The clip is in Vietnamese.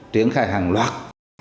triển khai hàng loạt